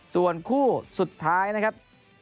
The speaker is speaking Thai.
ส่วนคู่สุดท้ายนะครับ